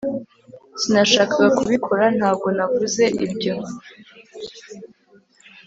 sinashakaga kubikora. ntabwo navuze ibyo)